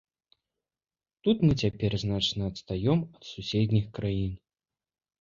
Тут мы цяпер значна адстаём ад суседніх краін.